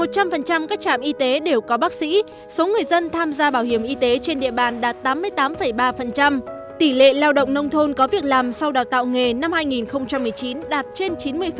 một trăm linh các trạm y tế đều có bác sĩ số người dân tham gia bảo hiểm y tế trên địa bàn đạt tám mươi tám ba tỷ lệ lao động nông thôn có việc làm sau đào tạo nghề năm hai nghìn một mươi chín đạt trên chín mươi